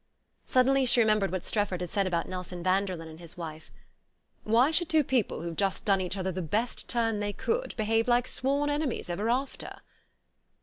Suddenly she remembered what Strefford had said about Nelson Vanderlyn and his wife. "Why should two people who've just done each other the best turn they could behave like sworn enemies ever after?"